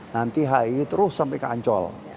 nanti hi terus sampai ke ancol